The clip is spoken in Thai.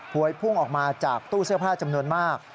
วยพุ่งออกมาจากตู้เสื้อผ้าจำนวนมาก